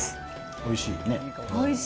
おいしい。